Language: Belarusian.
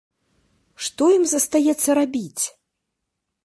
Што ім застаецца рабіць?